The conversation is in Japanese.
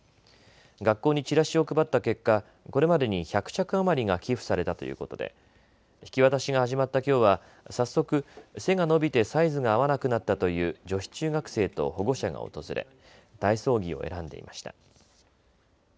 学校にチラシを配った結果、これまでに１００着余りが寄付されたということで引き渡しが始まったきょうは早速、背が伸びてサイズが合わなくなったという女子中学生と保護者が訪れ体操着を選んでいました。